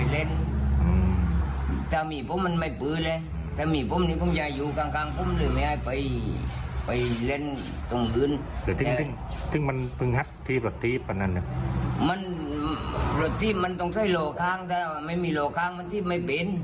รถทิพย์มันต้องใช้โหลคางแต่ไม่มีโหลคางรถที่ไม่เป็น